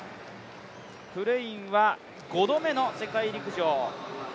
フレインは５度目の世界陸上。